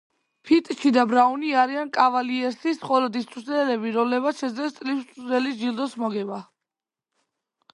ფიტჩი და ბრაუნი არიან კავალიერსის მხოლოდ ის მწვრთნელები, რომლებმაც შეძლეს წლის მწვრთნელის ჯილდოს მოგება.